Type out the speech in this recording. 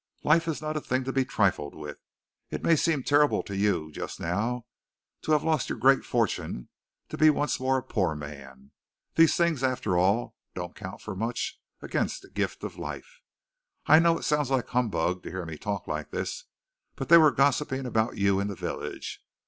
Life is not a thing to be trifled with. It may seem terrible to you just now to have lost your great fortune, to be once more a poor man. These things, after all, don't count for much against the gift of life. I know it sounds like humbug to hear me talk like this, but they were gossiping about you in the village.